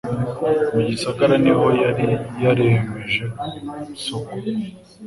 Mu gisagara niho yari yaremesheje isoko